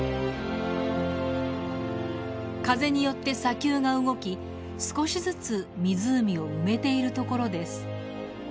風によって砂丘が動き少しずつ湖を埋めているところです。